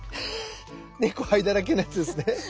「猫灰だらけ」のやつですね。